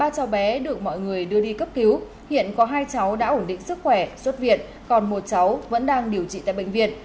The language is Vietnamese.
ba cháu bé được mọi người đưa đi cấp cứu hiện có hai cháu đã ổn định sức khỏe xuất viện còn một cháu vẫn đang điều trị tại bệnh viện